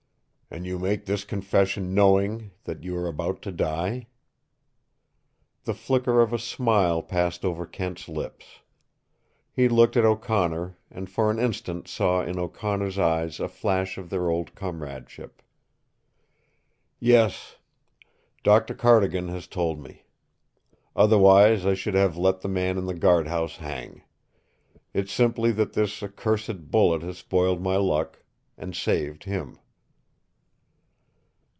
"And you make this confession knowing that you are about to die?" The flicker of a smile passed over Kent's lips. He looked at O'Connor and for an instant saw in O'Connor's eyes a flash of their old comradeship. "Yes. Dr. Cardigan has told me. Otherwise I should have let the man in the guard house hang. It's simply that this accursed bullet has spoiled my luck and saved him!"